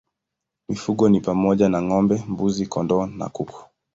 Mifugo ni pamoja na ng'ombe, mbuzi, kondoo na kuku.